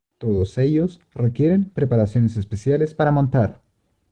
Todos ellos requieren preparaciones especiales para montar.